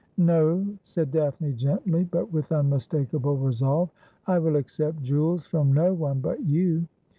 ' No,' said Daphne gently, but with unmistakable resolve ; 'I will accept jewels from no one but you.